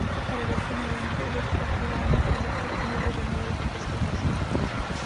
Redakce novin jsou zastrašovány, aby v tisku nezveřejňovali kritické hlasy.